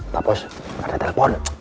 pak bos ada telepon